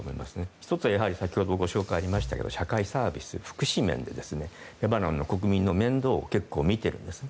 １つは先ほどご紹介しましたが社会サービス、福祉面でレバノンの国民の面倒を結構見てるんですね。